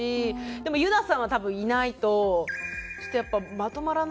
でもユナさんは多分いないとちょっとやっぱまとまらない。